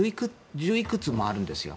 いくつもあるんですよ。